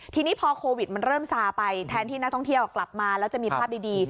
ทีนี้พอโควิดมันเริ่มซาไปแทนที่นักท่องเที่ยวกลับมาแล้วจะมีภาพดี